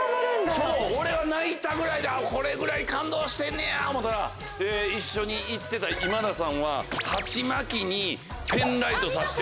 そう俺は泣いたぐらいでこれぐらい感動してんねや思たら一緒に行ってた今田さんは鉢巻きにペンライト差して。